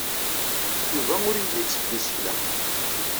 Yuba ur yelli ittebbi isekla.